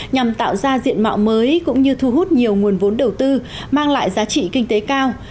nhằm tạo ra diện mạo mới cũng như thu hút nhiều nguồn vốn đầu tư mang lại giá trị kinh tế cao